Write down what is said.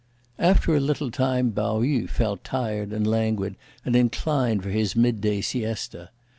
After a little time, Pao yü felt tired and languid and inclined for his midday siesta.